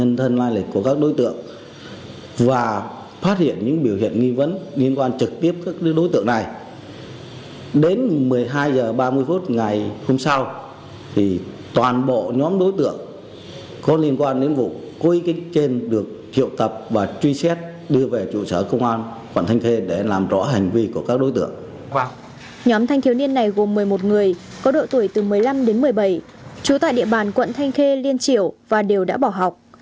nhóm thanh thiếu niên này gồm một mươi một người có độ tuổi từ một mươi năm đến một mươi bảy trú tại địa bàn quận thanh khê liên triệu và đều đã bỏ học